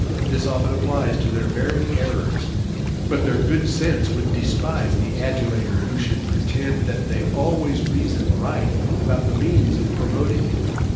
This often applies to their very errors. But their good sense would despise the adulator who should pretend that they always REASON RIGHT about the MEANS of promoting it.